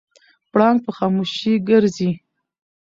پړانګ په خاموشۍ ګرځي.